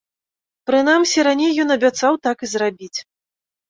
Прынамсі, раней ён абяцаў так і зрабіць.